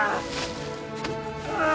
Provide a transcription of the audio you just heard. ああ！